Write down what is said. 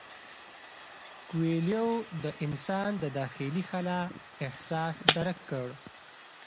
کویلیو د انسان د داخلي خلا احساس درک کړ.